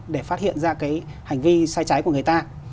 để phát hiện ra cái hành vi sai trái của người ta